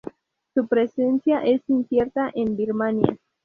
Su presencia es incierta en Birmania.